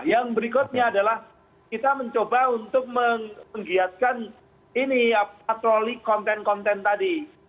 yang berikutnya adalah kita mencoba untuk menggiatkan ini patroli konten konten tadi